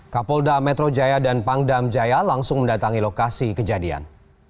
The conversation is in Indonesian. kapolda metro jaya dan pangdam jaya langsung mendatangi lokasi kejadian